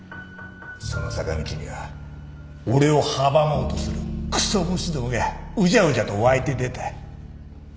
その坂道には俺を阻もうとするくそ虫どもがうじゃうじゃと湧いて出た。